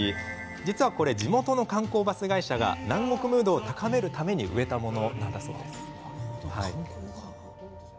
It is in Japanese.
実は、地元の観光バス会社が南国ムードを高めるために植えたものなんだそうです。